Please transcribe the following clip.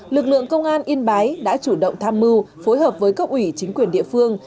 lực lượng công an yên bái đã chủ động tham mưu phối hợp với cấp ủy chính quyền địa phương